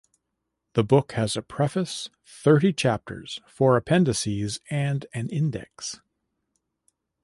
The book has a preface, thirty chapters, four appendices and an index.